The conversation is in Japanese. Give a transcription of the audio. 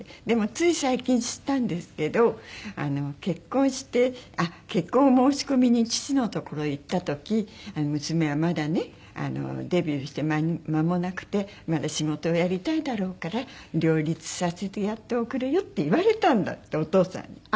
でもつい最近知ったんですけど結婚して結婚を申し込みに父のところへ行った時「娘はまだねデビューして間もなくてまだ仕事をやりたいだろうから両立させてやっておくれよ」って言われたんだってお父さんに。